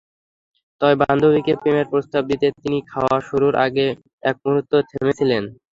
তবে বান্ধবীকে প্রেমের প্রস্তাব দিতে তিনি খাওয়া শুরুর আগে একমুহূর্ত থেমেছিলেন।